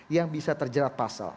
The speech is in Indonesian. yang bisa terjerat pasal